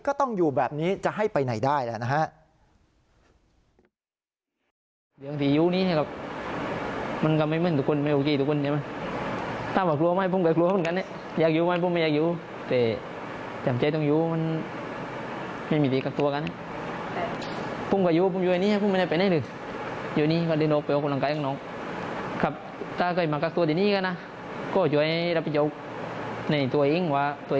ก็ต้องอยู่แบบนี้จะให้ไปไหนได้แล้วนะฮะ